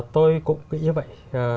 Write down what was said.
tôi cũng nghĩ như vậy